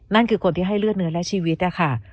นั่นคือคนที่ให้เลือดเนื้อและชีวิตนะคะ